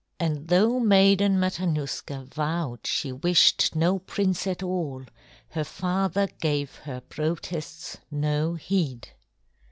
And though Maiden Matanuska vowed she wished no prince at all, her father gave her protests no heed.